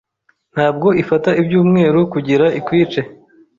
ntabwo ifata ibyumweru kugira ikwice